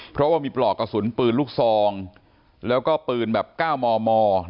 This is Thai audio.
เพราะว่ามีปลอกกระสุนปืนลูกซองแล้วก็ปืนแบบ๙มม